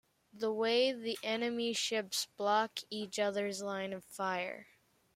This way the enemy ships block each other's line of fire.